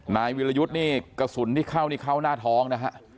นายวิรยุทธนี่กระสุนนิเข้านิเข้าหน้าท้องนะครับ